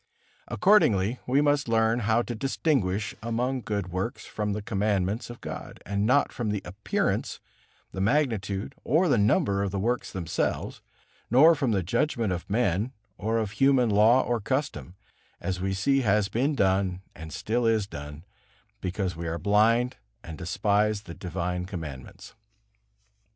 Accordingly, we must learn how to distinguish among good works from the Commandments of God, and not from the appearance, the magnitude, or the number of the works themselves, nor from the judgment of men or of human law or custom, as we see has been done and still is done, because we are blind and despise the divine Commandments.